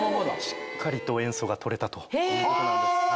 しっかりと塩素が取れたということなんです。